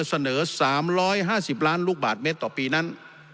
เสนอ๓๕๐ล้านลูกบาทเมตรต่อปีนั้น